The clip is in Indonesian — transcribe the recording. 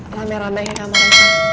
alhamdulillah baiknya kamu raksa